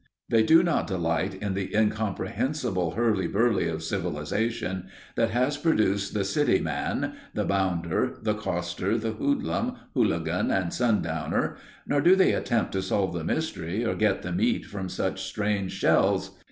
They do not delight in the incomprehensible hurly burly of civilization that has produced the City Man, the Bounder, the Coster, the Hoodlum, Hooligan and Sundowner, nor do they attempt to solve the mystery or get the meat from such strange shells.